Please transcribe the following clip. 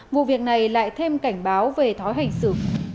vụ việc này lại thêm cảnh báo về thói hành xử